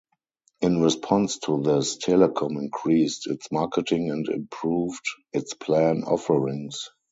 In response to this, Telecom increased its marketing and improved its plan offerings.